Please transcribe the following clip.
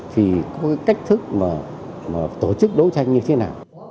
thì có cách thức tổ chức đấu tranh như thế nào